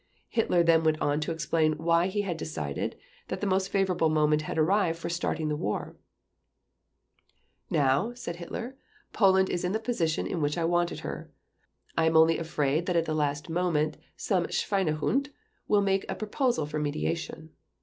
Hitler then went on to explain why he had decided that the most favorable moment had arrived for starting the war: "Now", said Hitler, "Poland is in the position in which I wanted her .... I am only afraid that at the last moment some Schweinehund will make a proposal for mediation